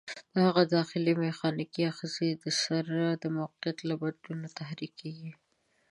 د هغې داخلي میخانیکي آخذې د سر د موقعیت له بدلون تحریکېږي.